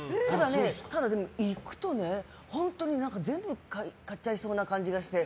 ただ、行くと本当に全部買っちゃいそうな感じがして。